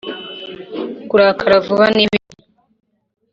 Kurakara vuba ni bibi